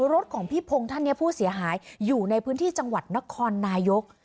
รถของพี่พงศ์ท่านเนี่ยผู้เสียหายอยู่ในพื้นที่จังหวัดนครนายก